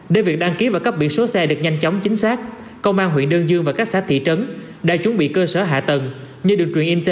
để việc đăng ký và cấp biển số xe được nhanh chóng chính xác công an huyện đơn dương và các xã thị trấn đã chuẩn bị cơ sở hạ tầng